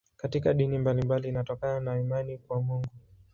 Katika dini mbalimbali inatokana na imani kwa Mungu.